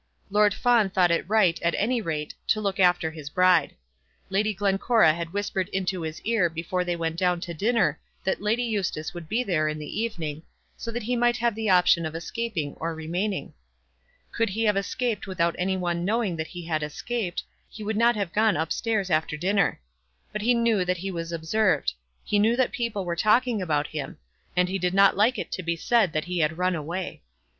Lord Fawn thought it right, at any rate, to look after his bride. Lady Glencora had whispered into his ear before they went down to dinner that Lady Eustace would be there in the evening, so that he might have the option of escaping or remaining. Could he have escaped without any one knowing that he had escaped, he would not have gone up stairs after dinner; but he knew that he was observed; he knew that people were talking about him; and he did not like it to be said that he had run away.